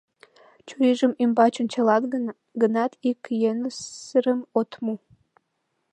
Чурийжым ӱмбач ончалат гынат, ик йӧнысырым от му.